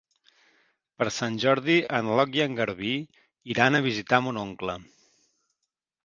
Per Sant Jordi en Roc i en Garbí iran a visitar mon oncle.